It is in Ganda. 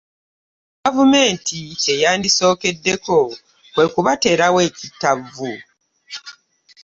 Gavumenti kye yandisookeddeko kwe kubateerawo ekittavvu